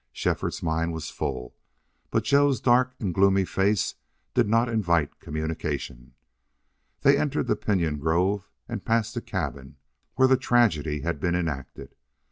Shefford's mind was full, but Joe's dark and gloomy face did not invite communication. They entered the pinyon grove and passed the cabin where the tragedy had been enacted.